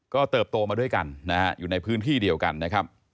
ก็เติบโตมาด้วยกันนะฮะอยู่ในพื้นที่เดียวกันนะครับ